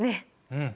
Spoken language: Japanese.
うん。